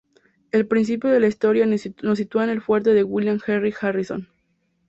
El principio de la historia nos sitúa en el fuerte de William Henry Harrison.